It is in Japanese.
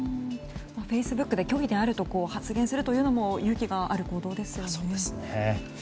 フェイスブックで虚偽であると発言することも勇気がある行動ですね。